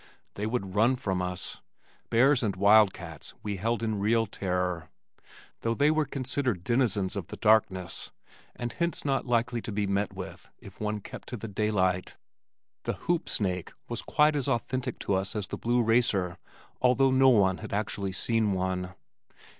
They would run from us. Bears and wildcats we held in real terror, though they were considered denizens of the darkness and hence not likely to be met with if one kept to the daylight. The "hoop snake" was quite as authentic to us as the blue racer, although no one had actually seen one.